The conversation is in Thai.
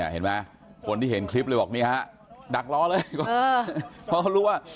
เห็นไหมคนที่เห็นคลิปเลยบอกนี่ฮะดักรอเลยเพราะเขารู้ว่า